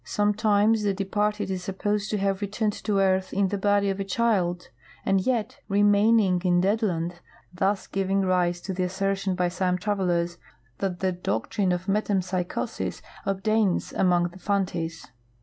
Sometimes the departed is supposed to have returned to earth in the body of a, child, and yet remaining in Deadland, thus giving rise to the assertion by some travelers that the doctrine of metempsychosis obtains among the Fantis.